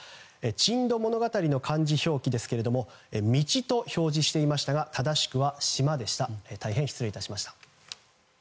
「珍島物語」の漢字表記ですけども「道」と表示していましたが正しくは「島」でした大変、失礼致しました。